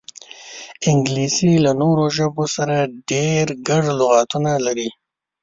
انګلیسي له نورو ژبو سره ډېر ګډ لغاتونه لري